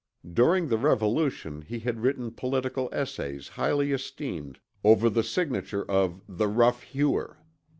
During the Revolution he had written political essays highly esteemed over the signature of the Rough Hewer.